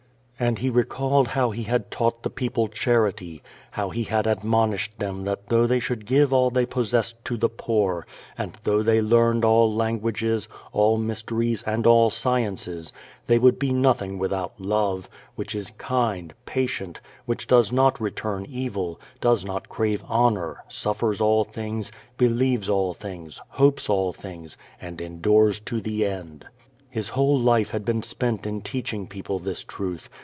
And he recalled how he had taught the people charity; how he had admonished them that though they should give all they possessed to the poor, and though they learned all languages, all mysteries, and all sciences, they would be nothing without love, which is kind, patient, which does not return evil, does not crave honor, suffers all things, be lieves all things, hopes all things, and endures to the end. • His whole life had been spent in teaching people this truth.